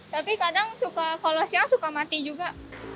tapi kadang suka kolosial suka mati juga